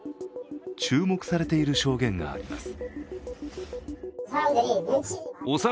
注目されている証言があります。